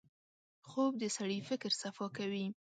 خوب د سړي فکر صفا کوي